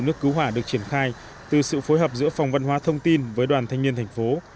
nước cứu hỏa được triển khai từ sự phối hợp giữa phòng văn hóa thông tin với đoàn thanh niên thành phố